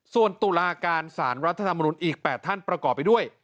ส่วนตุลาการสารรัฐธรรมนุนอีก๘ท่านประกอบไปด้วย